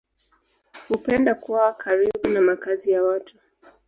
Hupenda kuwa karibu na makazi ya watu.